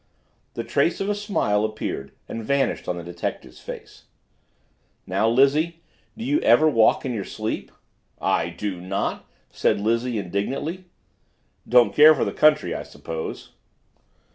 The trace of a smile appeared and vanished on the detective's face. "Now, Lizzie," he said sternly, "do you ever walk in your sleep?" "I do not," said Lizzie indignantly. "Don't care for the country, I suppose?"